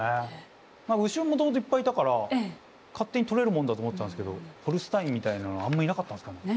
牛はもともといっぱいいたから勝手にとれるもんだと思ってたんですけどホルスタインみたいなのはあんまいなかったんすかね。